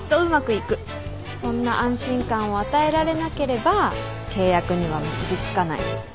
そんな安心感を与えられなければ契約には結び付かない。